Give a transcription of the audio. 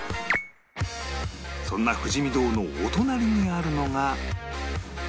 そんな富士見堂のお隣にあるのが